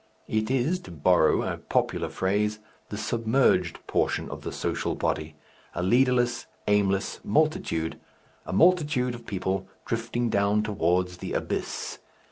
It is, to borrow a popular phrase, the "submerged" portion of the social body, a leaderless, aimless multitude, a multitude of people drifting down towards the abyss.